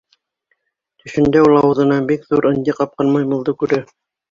Төшөндә ул ауыҙына бик ҙур ынйы ҡапҡан маймылды күрә.